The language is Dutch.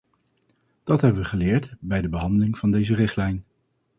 Dat hebben we geleerd bij de behandeling van deze richtlijn.